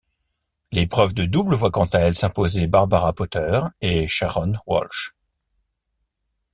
L'épreuve de double voit quant à elle s'imposer Barbara Potter et Sharon Walsh.